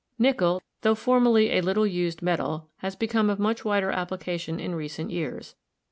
Nickel, tho formerly a little used metal, has become of much wider application in recent years.